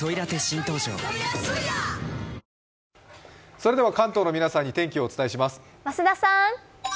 それでは関東の皆さんに天気をお伝えします。